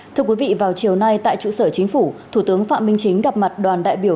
thưa quý vị vào chiều nay tại trụ sở chính phủ thủ tướng phạm minh chính gặp mặt đoàn đại biểu